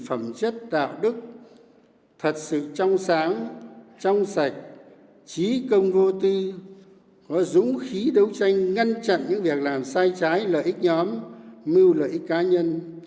phẩm chất đạo đức thật sự trong sáng trong sạch trí công vô tư có dũng khí đấu tranh ngăn chặn những việc làm sai trái lợi ích nhóm mưu lợi ích cá nhân